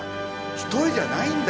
一人じゃないんだ。